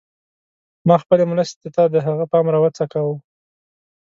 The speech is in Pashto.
ما خپلې مرستې ته د هغه پام راوڅکاوه.